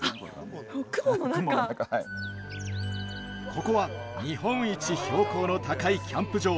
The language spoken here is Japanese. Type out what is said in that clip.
ここは日本一標高の高いキャンプ場。